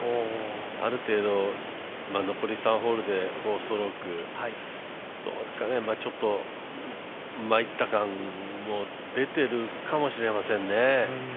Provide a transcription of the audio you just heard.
ある程度残り３ホールで４ストローク、ちょっと参った感も出てるかもしれませんね。